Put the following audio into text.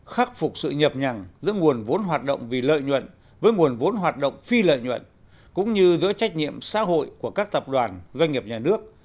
khắc phục sự nhập nhằng giữa nguồn vốn hoạt động vì lợi nhuận với nguồn vốn hoạt động phi lợi nhuận cũng như giữa trách nhiệm xã hội của các tập đoàn doanh nghiệp nhà nước